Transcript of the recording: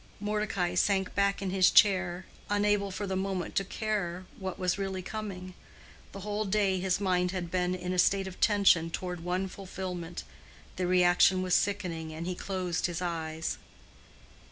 Mordecai sank back in his chair, unable for the moment to care what was really coming. The whole day his mind had been in a state of tension toward one fulfillment. The reaction was sickening and he closed his eyes.